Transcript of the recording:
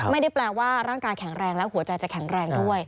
ไม่ได้แปลว่าร่างกายแข็งแรงและหัวใจจะแข็งแรงด้วย